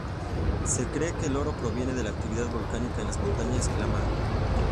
Se cree que el oro proviene de la actividad volcánica en las montañas Klamath.